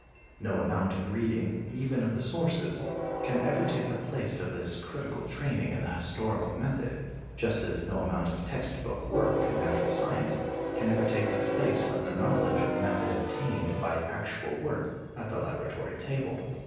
No amount of reading, even of the sources, can ever take the place of this critical training in the historical method, just as no amount of text book work in natural science can ever take the place of the knowledge of method obtained by actual work at the laboratory table.